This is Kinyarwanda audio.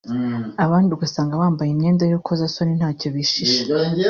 abandi usanga bambaye imyenda y’urukozasoni ntacyo bishisha